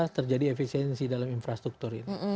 terjadi efisiensi dalam infrastruktur ini